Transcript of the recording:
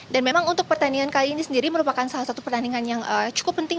memang untuk pertandingan kali ini sendiri merupakan salah satu pertandingan yang cukup penting